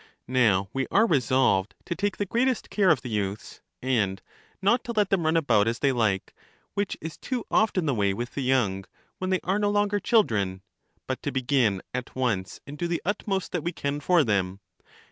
Now, we are resolved to take the greatest care of the youths, and not to let them run about as they like, which is too often the way with the young, when they are no longer children, but to begin at once and do the utmost that we can for them.